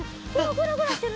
グラグラしてる。